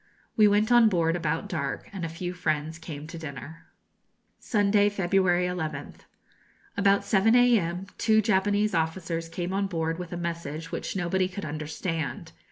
We went on board about dark, and a few friends came to dinner. Sunday, February 11th. About 7 a.m., two Japanese officers came on board with a message which nobody could understand.